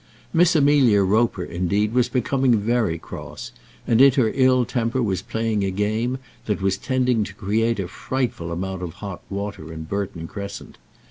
Miss Amelia Roper, indeed, was becoming very cross, and in her ill temper was playing a game that was tending to create a frightful amount of hot water in Burton Crescent.